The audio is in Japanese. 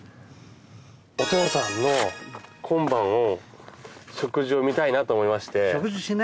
お父さんの今晩の食事を見たいなと思いまして。